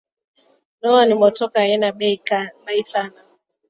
Noah ni motoka aina bei sana